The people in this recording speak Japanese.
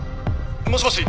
もしもし？